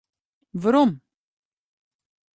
Werom.